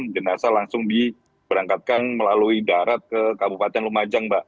jenazah langsung diberangkatkan melalui darat ke kabupaten lumajang mbak